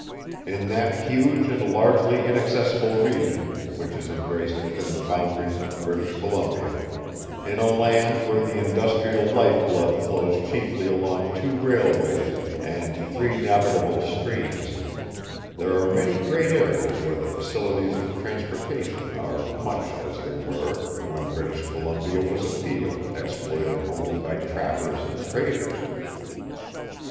In that huge and largely inaccessible region which is embraced within the boundaries of British Columbia, in a land where the industrial life blood flows chiefly along two railways and three navigable streams, there are many great areas where the facilities of transportation are much as they were when British Columbia was a field exploited only by trappers and traders.